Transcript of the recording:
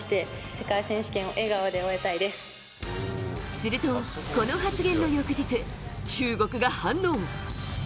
すると、この発言の翌日中国が反応。